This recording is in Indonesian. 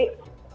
oke mas yandra